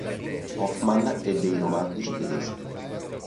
Hoffmann e dei romantici tedeschi.